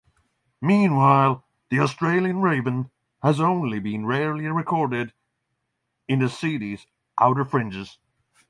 Meanwhile, the Australian raven has only been rarely recorded in the city's outer fringes.